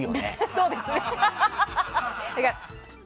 そうですね。